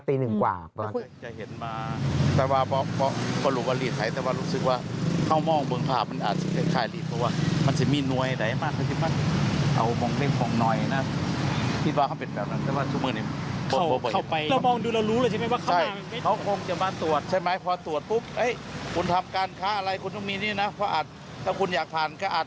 ตีหนึ่งกว่า